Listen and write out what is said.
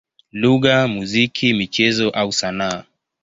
lugha, muziki, michezo au sanaa.